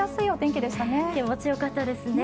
気持ちよかったですね。